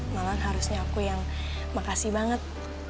malah harusnya aku yang makasih banget